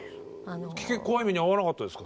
怖い目には遭わなかったですか？